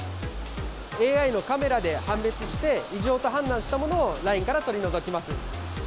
ＡＩのカメラで判別して、異常と判断したものをラインから取り除きます。